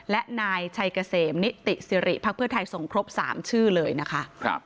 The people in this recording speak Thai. และนายชัยเกษมนิติสิริพักเพื่อไทยส่งครบ๓ชื่อเลยนะคะ